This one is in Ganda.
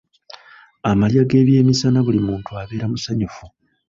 Amalya g'ebyemisana buli muntu abeera musanyufu.